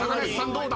どうだ？